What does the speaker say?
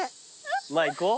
まあ行こう。